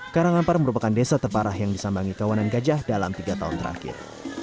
karangampar merupakan desa terparah yang disambangi kawanan gajah dalam tiga tahun terakhir